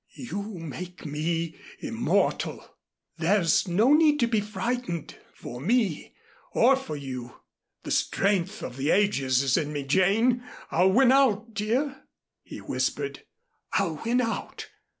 "You make me immortal. There's no need to be frightened for me or for you. The strength of the ages is in me, Jane. I'll win out, dear," he whispered. "I'll win out.